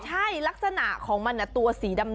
ใช่ลักษณะของมันตัวสีดำ